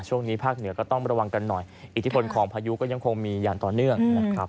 ช่วงนี้ภาคเหนือก็ต้องระวังกันหน่อยอิทธิพลของพายุก็ยังคงมีอย่างต่อเนื่องนะครับ